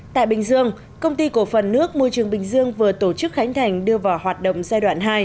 tại bình dương công ty cổ phần nước môi trường bình dương vừa tổ chức khánh thành đưa vào hoạt động giai đoạn hai